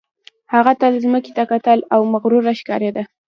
هغه تل ځمکې ته کتلې او مغروره ښکارېده